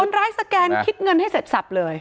ร้ายสแกนคิดเงินให้เสร็จสับเลย